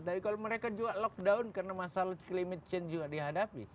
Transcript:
tapi kalau mereka juga lockdown karena masalah climate change juga dihadapi